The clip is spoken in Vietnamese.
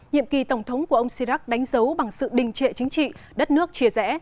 nhiệm kỳ tổng thống của ông chirac đánh dấu bằng sự đình trệ chính trị đất nước chia rẽ